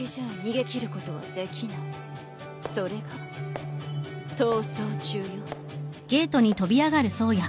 それが逃走中よ。